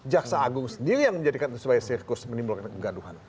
jaksa agung sendiri yang menjadikan itu sebagai sirkus menimbulkan kegaduhan